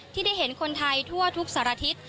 ที่ได้เห็นคนไทยทั่วทุกสารทิศ